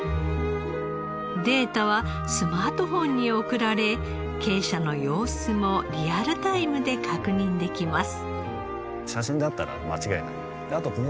データはスマートフォンに送られ鶏舎の様子もリアルタイムで確認できます。